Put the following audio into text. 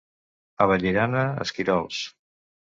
A Vallirana, esquirols.